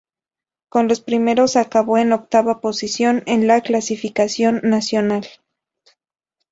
Con los primeros acabó en octava posición en la clasificación nacional.